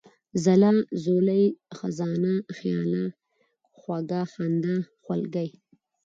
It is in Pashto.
ځلا ، ځولۍ ، خزانه ، خياله ، خوږه ، خندا ، خولگۍ ،